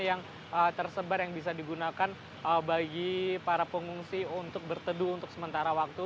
yang tersebar yang bisa digunakan bagi para pengungsi untuk berteduh untuk sementara waktu